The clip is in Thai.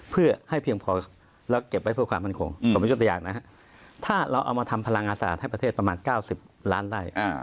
เพื่อให้เพียงพอและเก็บไว้เพื่อความมั้นคงผมวิจารณีโจทยากถ้าเราเอามาทำพลังงานสาธารณ์ให้ประเทศประมาณ๙๐ล้านไล่